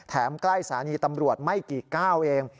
ใกล้สถานีตำรวจไม่กี่ก้าวเอง